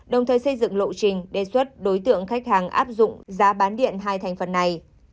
đồng thời xây dựng lộ trình đề xuất đối tượng khách hàng áp dụng giá bán điện hai thành phần này